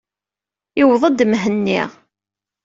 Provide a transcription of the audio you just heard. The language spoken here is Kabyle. Iwweḍ-d Mhenni.